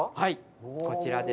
こちらです。